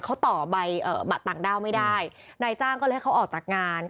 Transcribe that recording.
เขาต่อใบบัตรต่างด้าวไม่ได้นายจ้างก็เลยให้เขาออกจากงาน